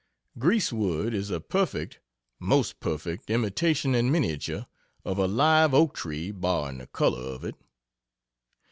Grease wood is a perfect most perfect imitation in miniature of a live oak tree barring the color of it.